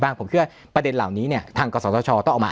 บ้างเพราะว่าประเด็นเหล่านี้เนี้ยทางกศตรชต้องเอามา